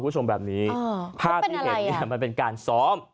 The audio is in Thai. เอ้าปะโทษ